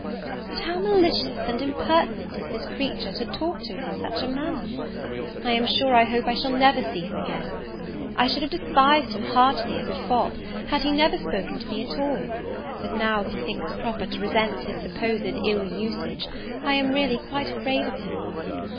But how malicious and impertinent is this creature to talk to me in such a manner! I am sure I hope I shall never see him again. I should have despised him heartily as a fop, had he never spoken to me at all; but now, that he thinks proper to resent his supposed ill usage, I am really quite afraid of him.